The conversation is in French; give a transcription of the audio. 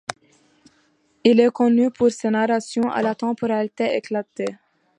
Il est connu pour ses narrations à la temporalité éclatée.